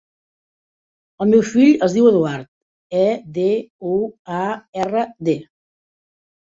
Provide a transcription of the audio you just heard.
El meu fill es diu Eduard: e, de, u, a, erra, de.